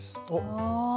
お。